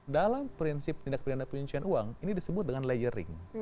dalam prinsip tindak pidana penyusuan uang ini disebut dengan layering